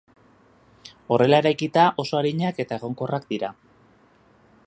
Horrela eraikita, oso arinak eta egonkorrak dira.